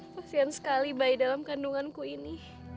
kasian sekali bayi dalam kandunganku ini